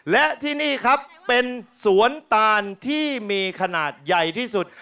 และที่นี่ครับเป็นสวนตานที่มีขนาดใหญ่ที่สุด